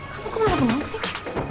kamu kemana bangun sih